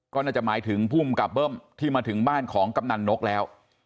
ก็น่าจะหมายถึงภูมิกับเบิ้มที่มาถึงบ้านของกำนันนกแล้ว